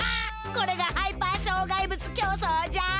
これがハイパー障害物競走じゃ。